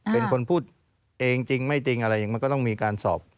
เป็นคนพูดเองจริงไม่จริงอะไรอย่างมันก็ต้องมีการสอบ